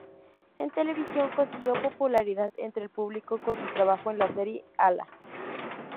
En televisión, consiguió popularidad entre el público con su trabajo en la serie "¡Ala...